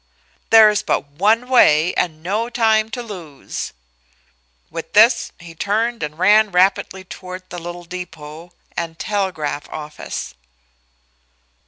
"There is but one way, and no time to lose." With this he turned and ran rapidly toward the little depot and telegraph office.